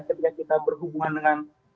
ketika kita berhubungan dengan